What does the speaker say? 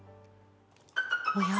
おや？